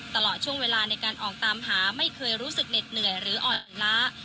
ตลอดช่วงเวลาในการออกตามหาไม่เคยรู้สึกเหน็ดเหนื่อยหรืออ่อนอุล้า